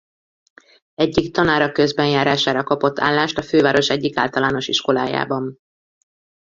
Egyik tanára közbenjárására kapott állást a főváros egyik általános iskolájában.